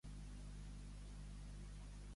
A Saga, galants.